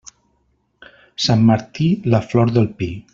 Sant Martí, la flor del pi.